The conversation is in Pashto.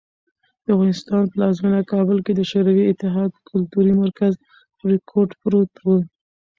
د افغانستان پلازمېنه کابل کې د شوروي اتحاد کلتوري مرکز "بریکوټ" پروت و.